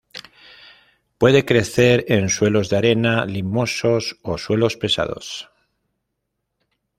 Puede crecer en suelos de arena, limosos o suelos pesados.